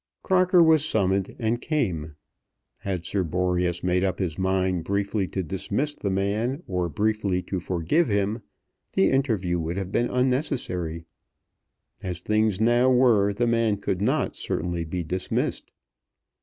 Crocker was summoned, and came. Had Sir Boreas made up his mind briefly to dismiss the man, or briefly to forgive him, the interview would have been unnecessary. As things now were the man could not certainly be dismissed.